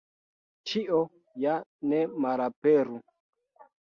Ĉio ja ne malaperu.